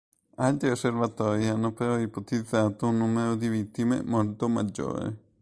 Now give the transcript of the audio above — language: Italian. Altri osservatori hanno però ipotizzato un numero di vittime molto maggiore.